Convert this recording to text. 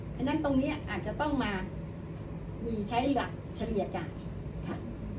ฉะนั้นตรงนี้อาจจะต้องมามีใช้หลักเฉลี่ยกันค่ะ